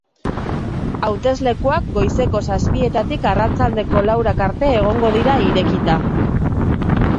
Hauteslekuak goizeko zazpietatik arratsaldeko laurak arte egongo dira irekita.